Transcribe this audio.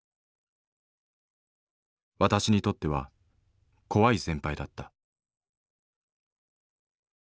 私にとっては怖い先輩だった。